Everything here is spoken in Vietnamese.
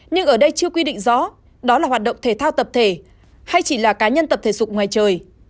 nhưng ở đây chưa quy định rõ đó là hoạt động thể thao tập thể hay chỉ là cá nhân tập thể dục ngoài trời